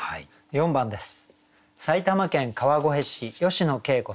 ４番です。